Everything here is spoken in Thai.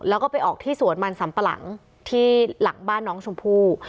แล้วก็ไปออกที่สวนมันสำปะหลังที่หลังบ้านน้องชมพู่